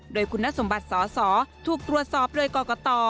โดยคุณนัสสมบัติสถูกตรวจสอบเลยก่อนก่อต่อ